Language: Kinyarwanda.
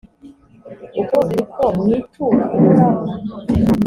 uko ni ko mwitura uhoraho?